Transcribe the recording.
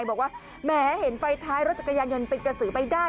บอกว่าแหมเห็นไฟท้ายรถจักรยานยนต์เป็นกระสือไปได้